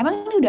emang ini udah